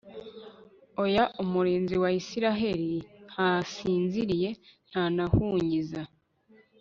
oya, umurinzi wa israheli ntasinziriye, ntanahunyiza